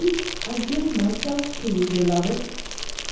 I give myself to you, Beloved!